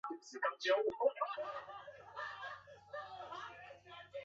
其中徐金蓉以及汤水易先后担任过空军救护队队长。